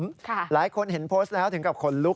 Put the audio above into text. หลายคนเห็นโพสต์แล้วถึงกับขนลุก